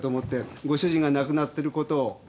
ご主人が亡くなっていることを。